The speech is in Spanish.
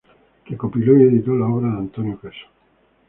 Recopiló y editó la obra de Antonio Caso.